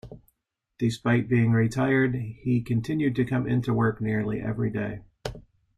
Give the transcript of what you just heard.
Despite being retired, he continued to come into work nearly every day.